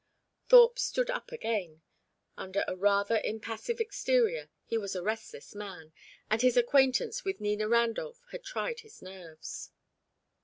Thorpe stood up again. Under a rather impassive exterior, he was a restless man, and his acquaintance with Nina Randolph had tried his nerves.